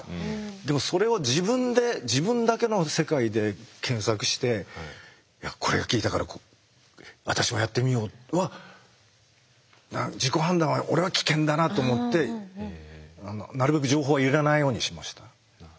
でもそれを自分で自分だけの世界で検索して「いやこれが効いたから私もやってみよう」は自己判断は俺は危険だなと思ってなるべく情報は入れないようにしました。